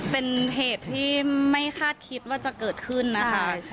เป็นเหตุที่ไม่คาดคิดว่าจะเกิดขึ้นนะคะ